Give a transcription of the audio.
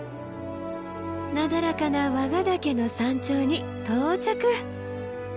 なだらかな和賀岳の山頂に到着！